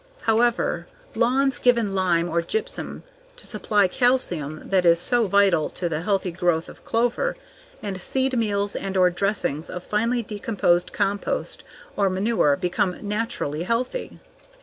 However, lawns given lime or gypsum to supply calcium that is so vital to the healthy growth of clover, and seed meals and/or dressings of finely decomposed compost or manure become naturally healthy.